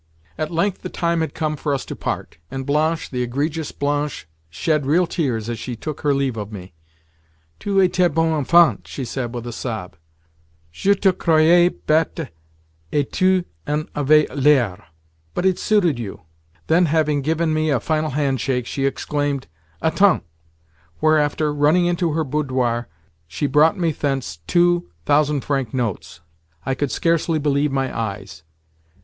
At length the time had come for us to part, and Blanche, the egregious Blanche, shed real tears as she took her leave of me. "Tu étais bon enfant" she said with a sob. "Je te croyais bête et tu en avais l'air, but it suited you." Then, having given me a final handshake, she exclaimed, "Attends!"; whereafter, running into her boudoir, she brought me thence two thousand franc notes. I could scarcely believe my eyes!